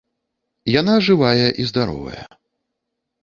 Яна жывая і здаровая.